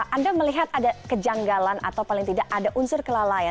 anda melihat ada kejanggalan atau paling tidak ada unsur kelalaian